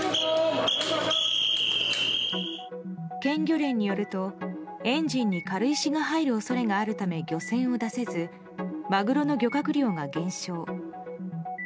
県漁連によると、エンジンに軽石が入る恐れがあるため漁船を出せずマグロの漁獲量が減少。